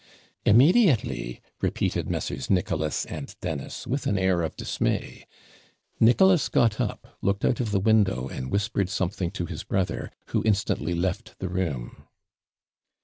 'Immediately!' repeated Messrs. Nicholas and Dennis, with an air of dismay. Nicholas got up, looked out of the window, and whispered something to his brother, who instantly left the room.